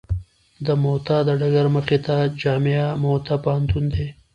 د موته د ډګر مخې ته جامعه موته پوهنتون دی.